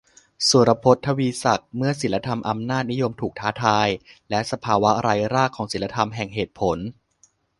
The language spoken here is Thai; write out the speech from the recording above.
สุรพศ ทวีศักดิ์ "เมื่อศีลธรรมอำนาจนิยมถูกท้าทาย และสภาวะไร้รากของศีลธรรมแห่งเหตุผล "